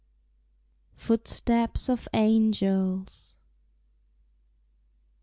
FOOTSTEPS OF ANGELS.